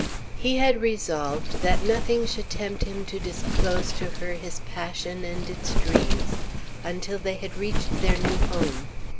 He had resolved that nothing should tempt him to disclose to her his passion and its dreams, until they had reached their new home.